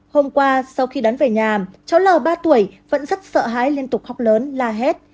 hôm qua sau khi đón về nhà cháu l ba tuổi vẫn rất sợ hãi liên tục khóc lớn la hét